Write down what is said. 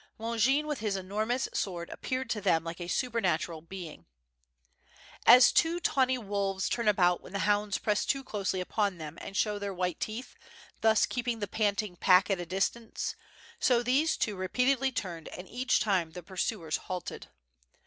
Longin with his enormous sword appeared to them like a supernatural beins^. As two tawny wolves turn about when the hounds press too closely upon them and show their white teeth, thus keep ing the panting pack at a distance, so these two repeatedly 732 ^ITB FIRE AND SWORD, turned, and each time the pursuers halted.